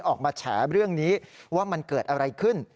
ออกมาแฉเรื่องนี้ว่ามันเกิดอะไรขึ้น